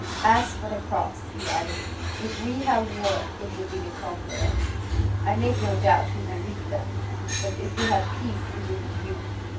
As for the crops," he added, "if we have war, it will be the conqueror, I make no doubt, who will reap them, but if we have peace, it will be you.